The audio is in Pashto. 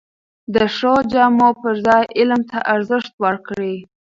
د ښو جامو پر ځای علم ته ارزښت ورکړئ!